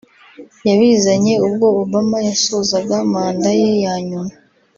yabizanye ubwo Obama yasozaga manda ye ya nyuma